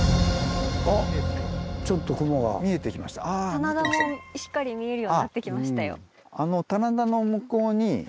棚田もしっかり見えるようになってきましたよ。